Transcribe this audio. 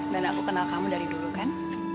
dan aku kenal kamu dari dulu kan